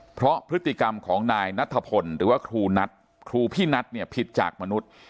เพราะพฤติกรรมของนายนัตฐพลหรือว่าครูพินัฐฺผิดจากมนุษย์